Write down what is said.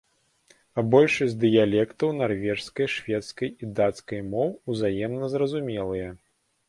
Большасць дыялектаў нарвежскай, шведскай і дацкай моў узаемна зразумелыя.